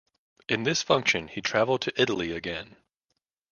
In this function he travelled to Italy again.